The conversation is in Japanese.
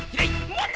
もっと。